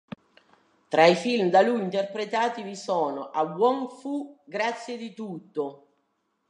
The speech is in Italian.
Tra i film da lui interpretati vi sono: "A Wong Foo, grazie di tutto!